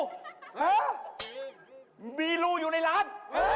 ฮะมีรูอยู่ในร้าน